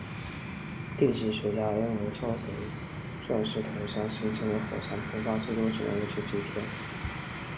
地质学家认为造成钻石头山形成的火山喷发最多只持续了几天。